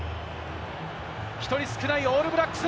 １人少ないオールブラックス。